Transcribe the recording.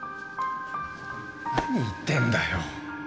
何言ってるんだよ？